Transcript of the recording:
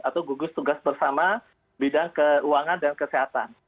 atau gugus tugas bersama bidang keuangan dan kesehatan